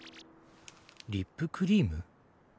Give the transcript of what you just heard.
リップクリーム？